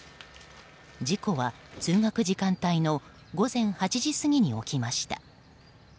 事故は通学時間帯の午前８時過ぎに起きました。